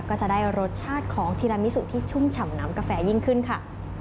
ก็จะได้รสชาติของทีละมิสุที่ชุ่มฉ่ำน้ำกาแฟยิ่งขึ้นค่ะ